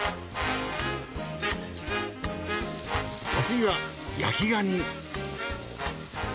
お次は焼きガニ。